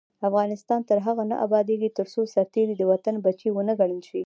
افغانستان تر هغو نه ابادیږي، ترڅو سرتیری د وطن بچی ونه ګڼل شي.